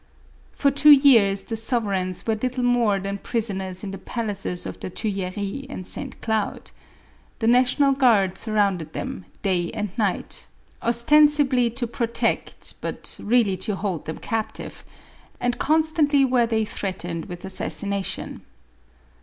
For two years the sovereigns were little more than prisoners in the palaces of the Tuillerics and St. Cloud. The National Guard surrounded them, day and night, ostensibly to protect, but really to hold them captive ; 464 MARIE ANTOINETTE. and constantly were they threatened with assassination.